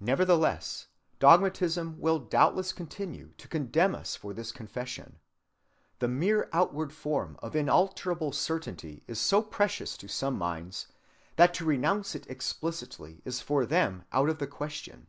Nevertheless, dogmatism will doubtless continue to condemn us for this confession. The mere outward form of inalterable certainty is so precious to some minds that to renounce it explicitly is for them out of the question.